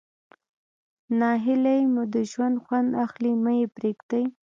ناهلي مو د ژوند خوند اخلي مه ئې پرېږدئ.